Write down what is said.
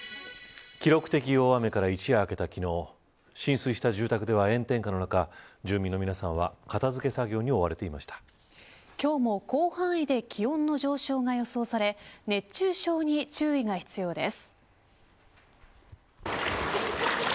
記録的大雨から一夜明けた昨日浸水した住宅では炎天下の中住民の皆さんは今日も広範囲で気温の上昇が予想され熱中症に注意が必要です。